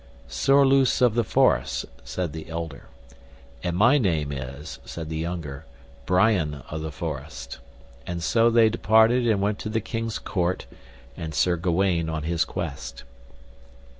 Sorlouse of the Forest, said the elder. And my name is, said the younger, Brian of the Forest. And so they departed and went to the king's court, and Sir Gawaine on his quest.